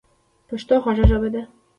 پښتو خوږه ژبه ده